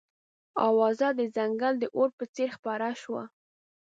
اوازه د ځنګله د اور په څېر خپره شوه.